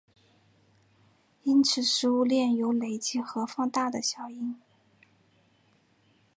因此食物链有累积和放大的效应。